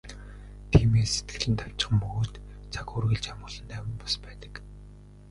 Тиймээс сэтгэл нь давчхан бөгөөд цаг үргэлж амгалан тайван бус байдаг.